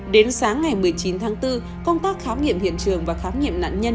đến sáng ngày một mươi chín tháng bốn công tác khám nghiệm hiện trường và khám nghiệm nạn nhân